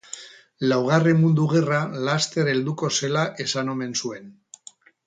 Laugarren mundu gerra laster helduko zela esan omen zuen.